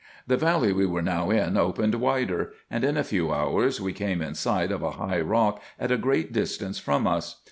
The valley we were now in opened wider ; and, in a few hours, we came in sight of a high rock at a great distance from us.